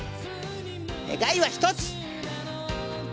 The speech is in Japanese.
願いは一つ。